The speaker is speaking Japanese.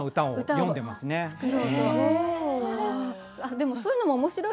でもそういうのも面白いですね。